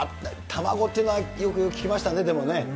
卵っていうのはよく聞きましたね、でもね。